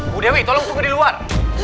bu dewi tolong tunggu di luar